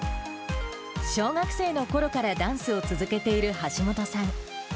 小学生のころからダンスを続けている橋本さん。